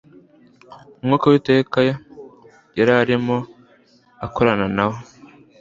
Mwuka w’Uwiteka yari arimo akorana na we.